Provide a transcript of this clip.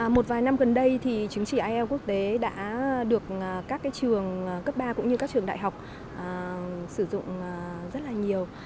một vài năm gần đây thì chứng chỉ ielts quốc tế đã được các trường cấp ba cũng như các trường đại học sử dụng rất là nhiều